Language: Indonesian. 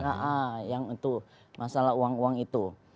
iya yang itu masalah uang uang itu